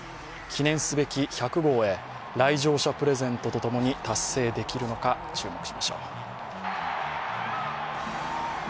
記念すべき１００号へ、来場者プレゼントと共に達成できるのか注目しましょう。